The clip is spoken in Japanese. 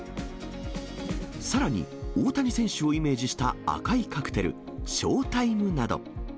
さらに、大谷選手をイメージした赤いカクテル、ショータイムなど。